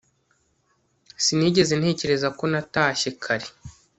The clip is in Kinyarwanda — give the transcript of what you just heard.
Sinigeze ntekereza ko natashye kare